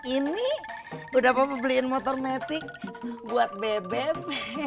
ini udah papa beliin motor matic buat bebem